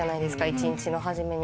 一日の初めに。